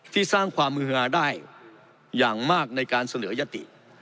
สร้างความมือหาได้อย่างมากในการเสนอยติ